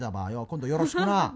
今度よろしくな。